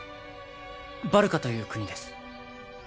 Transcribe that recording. バルカという国です